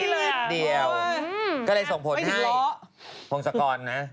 เดียวก็เลยส่งผลให้พงศกรนะ